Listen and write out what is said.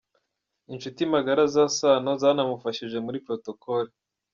Inshuti magara za Sano zanamufashije muri Protocol.